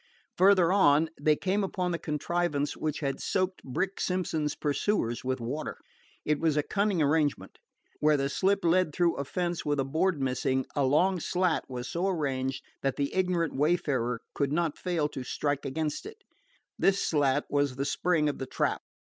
Farther on they came upon the contrivance which had soaked Brick Simpson's pursuers with water. It was a cunning arrangement. Where the slip led through a fence with a board missing, a long slat was so arranged that the ignorant wayfarer could not fail to strike against it. This slat was the spring of the trap.